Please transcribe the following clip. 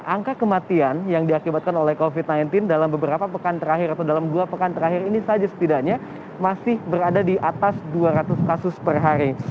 angka kematian yang diakibatkan oleh covid sembilan belas dalam beberapa pekan terakhir atau dalam dua pekan terakhir ini saja setidaknya masih berada di atas dua ratus kasus per hari